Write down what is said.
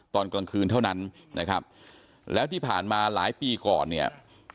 ตอนกลางคืนเท่านั้นนะครับแล้วที่ผ่านมาหลายปีก่อนเนี่ย